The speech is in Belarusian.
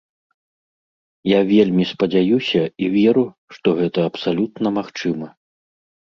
Я вельмі спадзяюся і веру, што гэта абсалютна магчыма.